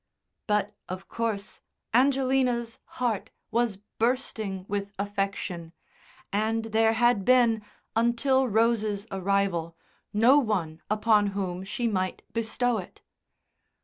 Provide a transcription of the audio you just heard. But, of course, Angelina's heart was bursting with affection, and there had been, until Rose's arrival, no one upon whom she might bestow it.